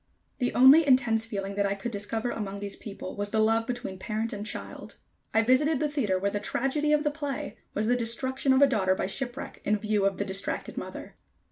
The only intense feeling that I could discover among these people was the love between parent and child. I visited the theater where the tragedy of the play was the destruction of a daughter by shipwreck in view of the distracted mother.